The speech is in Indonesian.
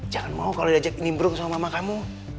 jangan mau kalau diajak ini brung sama mama kamu